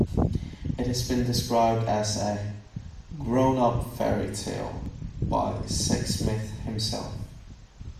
It has been described as a "grown up fairy tail" by Sexsmith himself.